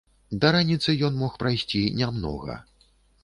Да раніцы ён мог прайсці не многа.